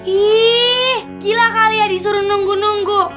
ih gila kali ya disuruh nunggu nunggu